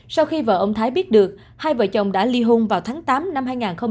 sau khi vợ ông thái biết được hai vợ chồng đã ly hôn vào tháng tám năm hai nghìn hai mươi ba